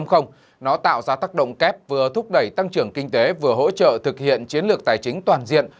hóa giá tác động kép vừa thúc đẩy tăng trưởng kinh tế vừa hỗ trợ thực hiện chiến lược tài chính toàn diện